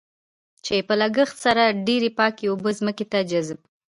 چې په لږ لګښت سره ډېرې پاکې اوبه ځمکې ته جذب.